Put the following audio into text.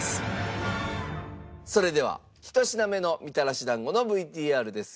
それでは１品目のみたらし団子のＶＴＲです。